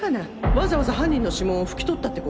わざわざ犯人の指紋を拭き取ったってこと？